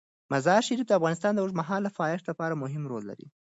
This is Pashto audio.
مزارشریف د افغانستان د اوږدمهاله پایښت لپاره مهم رول لري.